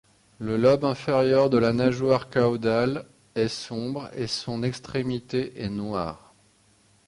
Le lobe inférieure de la nageoire caudale est sombre et son extrémité est noire.